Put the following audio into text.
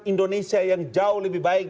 indonesia yang jauh lebih baik